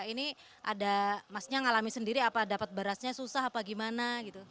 ini ada masnya ngalami sendiri apa dapat berasnya susah apa gimana gitu